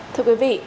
thưa quý vị